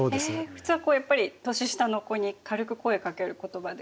普通はやっぱり年下の子に軽く声かける言葉ですよね。